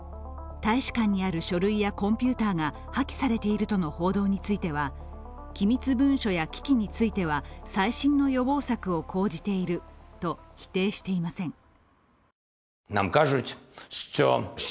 大使館にある書類やコンピューターが破棄されているとの報道については機密文書や機器については細心の予防策を講じていると否定していません。